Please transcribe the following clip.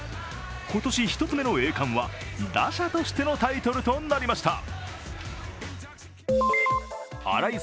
今年１つ目の栄冠は、打者としてのタイトルとなりました。